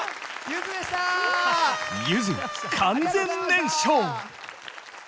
ゆず完全燃焼！